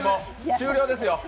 終了ですよ！